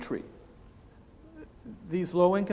orang yang berusaha rendah